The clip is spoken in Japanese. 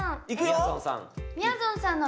いくよ！